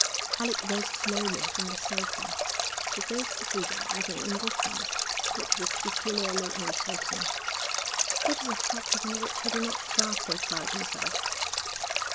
Alec rose slowly from the sofa. He faced Boulger with an indifference which was peculiarly irritating. 'That is a fact upon which he did not vastly pride himself.'